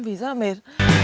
vì rất là mệt